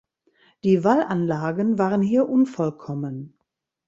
Die Wallanlagen waren hier unvollkommen.